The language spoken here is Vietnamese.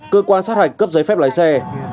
cơ quan sát hạch cấp giấy phép lái xe